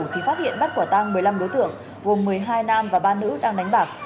thì phát hiện bắt quả tăng một mươi năm đối tượng gồm một mươi hai nam và ba nữ đang đánh bạc